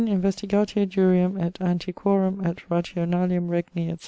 Investigatio jurium et antiquorum et rationalium regni etc.